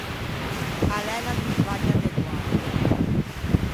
A l’é unna vivagna de guägno.